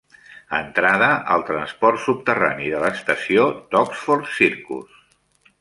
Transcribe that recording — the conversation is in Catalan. Entrada al transport subterrani de l'estació d'Oxford Circus.